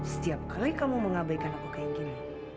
setiap kali kamu mengabaikan aku kayak gini